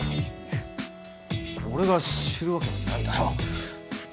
俺が知るわけないだろ。